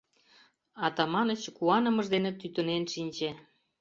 Атаманыч куанымыж дене тӱтынен шинче.